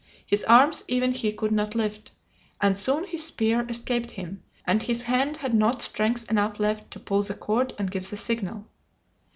His arms even he could not lift, and soon his spear escaped him, and his hand had not strength enough left to pull the cord and give the signal.